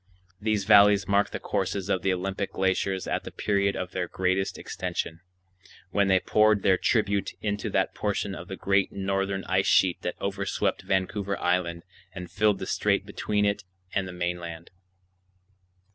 These valleys mark the courses of the Olympic glaciers at the period of their greatest extension, when they poured their tribute into that portion of the great northern ice sheet that overswept Vancouver Island and filled the strait between it and the mainland.